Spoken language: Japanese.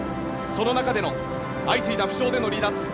その中で相次いだ負傷での離脱。